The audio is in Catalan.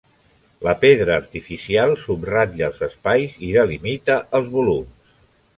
La pedra artificial subratlla els espais i delimita els volums.